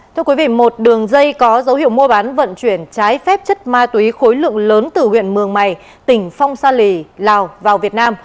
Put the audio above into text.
thưa quý vị một đường dây có dấu hiệu mua bán vận chuyển trái phép chất ma túy khối lượng lớn từ huyện mường mày tỉnh phong sa lì lào vào việt nam